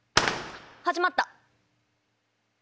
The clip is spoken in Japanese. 始まった！